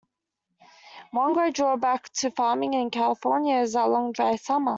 One great drawback to farming in California is our long dry summer.